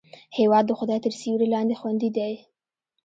هېواد د خدای تر سیوري لاندې خوندي دی.